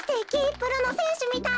プロのせんしゅみたい！